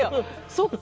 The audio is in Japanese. そっか。